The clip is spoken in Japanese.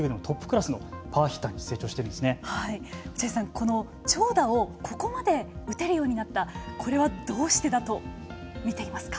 この長打をここまで打てるようになったこれはどうしてだと見ていますか。